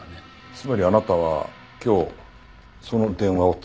つまりあなたは今日その電話を使った。